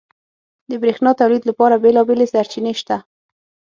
• د برېښنا تولید لپاره بېلابېلې سرچینې شته.